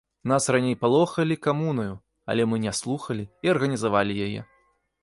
Нас раней палохалі камунаю, але мы не слухалі і арганізавалі яе.